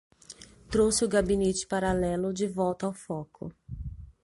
Trouxe o gabinete paralelo de volta ao foco